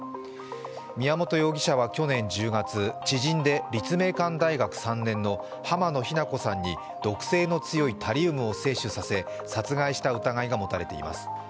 宮本容疑者は去年１０月、知人で立命館大学３年の濱野日菜子さんに毒性の強いタリウムを摂取させ殺害した疑いが持たれています。